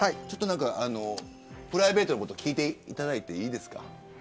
ちょっと、何かプライベートのこと聞いていただいていいですか。